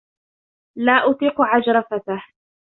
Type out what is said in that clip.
لا أطيق عجرفته.